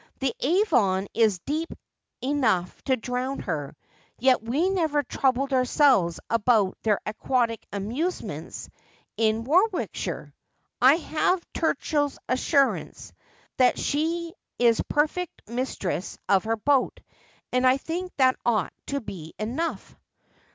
' The Avon is deep enough to drown her ; yet we never troubled ourselves about her aquatic amuse rnents in Warwickshire. I have Turchill's assurance that she is perfect mistress of her boat, and I think that ought to be enough.'